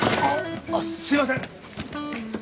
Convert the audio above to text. あっすいません！